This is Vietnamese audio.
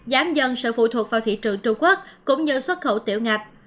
giảm dần sự phụ thuộc vào thị trường trung quốc cũng như xuất khẩu tiểu ngạch